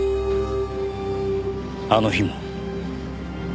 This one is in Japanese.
あの日も？